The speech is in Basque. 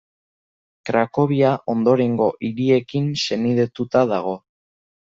Krakovia ondorengo hiriekin senidetuta dago.